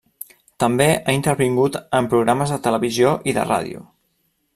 També ha intervingut en programes de televisió i de ràdio.